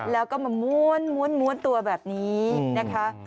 แล้วก็มาม้วนม้วนม้วนตัวแบบนี้นะคะ